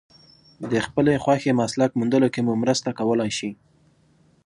د خپلې خوښې مسلک موندلو کې مو مرسته کولای شي.